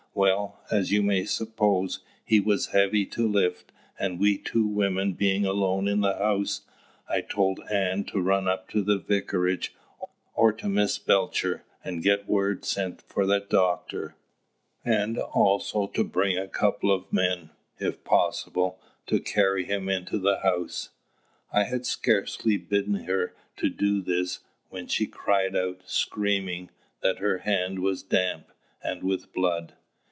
Well, as you may suppose, he was heavy to lift; and we two women being alone in the house, I told Ann to run up to the vicarage or to Miss Belcher's, and get word sent for a doctor, and also to bring a couple of men, if possible, to carry him into the house. I had scarcely bidden her to do this when she cried out, screaming, that her hand was damp, and with blood.